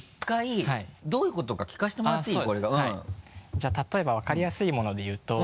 じゃあ例えば分かりやすいもので言うと。